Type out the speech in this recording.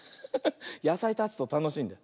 やさいたつとたのしいんだよ。